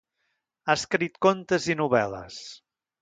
Ha escrit contes i novel·les.